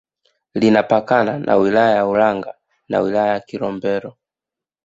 Linapakana na wilaya ya Ulanga na wilaya ya Kilombero